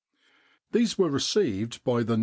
These were received by the No.